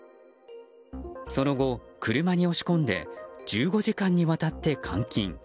その後、車に押し込んで１５時間にわたって監禁。